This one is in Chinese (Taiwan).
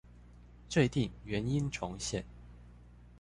這一定原音重現